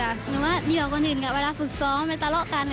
ก็ดีกว่าคนอื่นกรอบพวกมันฝึกซ้อมมีตาเลาะกัน